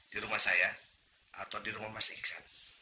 di rumah saya atau di rumah mas iksan